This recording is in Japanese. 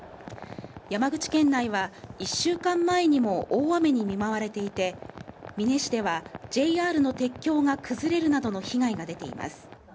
山口県内は、１週間前にも大雨に見舞われていて、美祢市ではＪＲの鉄橋が崩れるなどの被害が出ています。